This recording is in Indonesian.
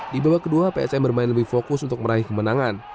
di babak kedua psm bermain lebih fokus untuk meraih kemenangan